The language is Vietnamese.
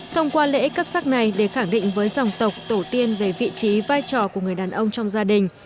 thông qua lễ cấp sắc này để khẳng định với dòng tộc tổ tiên về vị trí vai trò của người đàn ông trong gia đình